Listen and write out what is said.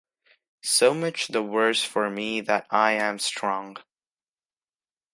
So much the worse for me that I am strong.